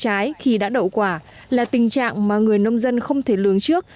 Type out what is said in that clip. trái khi đã đậu quả là tình trạng mà người nông dân không thể lường trước